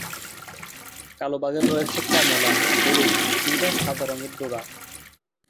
কালো বাঘের রয়েছে কমলা, হলুদ কিংবা সাদা রঙের ডোরা।